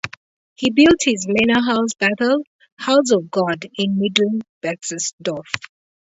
He built his manor house "Bethel" - "House of God" in Middle Berthelsdorf.